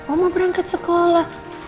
omah berangkat sekolah